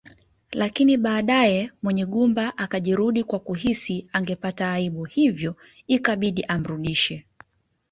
Lakini baadaye Munyigumba akajirudi kwa kuhisi angepata aibu hivyo ikabidi amrudishe